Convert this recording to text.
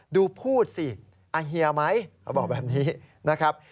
ดูพูดสิอาเฮียไหมเขาบอกแบบนี้นะครับ